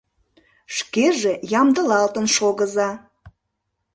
Шкеже ямдылалтын шогыза.